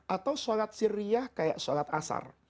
atau sholat siriah kayak sholat asar